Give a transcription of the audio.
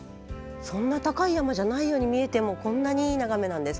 そんな高い山じゃないように見えてもこんなにいい眺めなんですか。